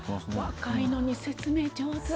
若いのに説明上手！